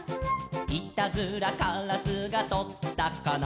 「いたずらからすがとったかな」